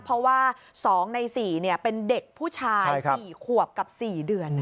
เพราะว่า๒ใน๔เป็นเด็กผู้ชาย๔ขวบกับ๔เดือน